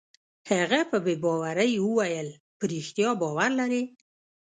هغه په بې باورۍ وویل: په رښتیا باور لرې؟